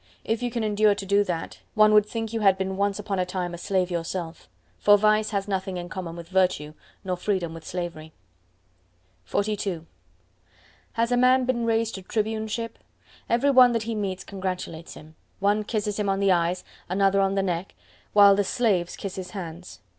If you can endure to do that, one would think you had been once upon a time a slave yourself. For Vice has nothing in common with virtue, nor Freedom with slavery. XLII Has a man been raised to tribuneship? Every one that he meets congratulates him. One kisses him on the eyes, another on the neck, while the slaves kiss his hands.